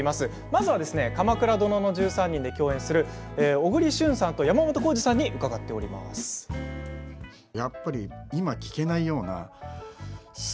まずは「鎌倉殿の１３人」で共演する、小栗旬さんと山本耕史さんに実際に伺いました。